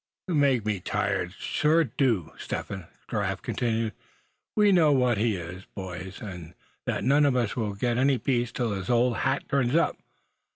"You make me tired, sure you do, Step Hen," Giraffe continued. "We know what he is, boys, and that none of us will get any peace till his old hat turns up.